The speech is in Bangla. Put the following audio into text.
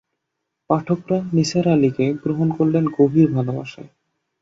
পাঠকরা নিসার আলিকে গ্রহণ করলেন গভীর ভালবাসায়।